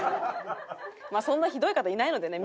まあそんなひどい方いないのでね